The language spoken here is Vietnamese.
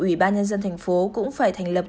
ủy ban nhân dân thành phố cũng phải thành lập